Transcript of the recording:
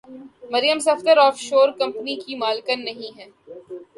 مریم Safdar offshore کمپنیوں کی مالکن نہیں ہیں؟